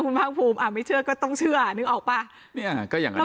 คุณภาคภูมิอ่าไม่เชื่อก็ต้องเชื่อนึกออกป่ะเนี่ยก็อย่างงั้น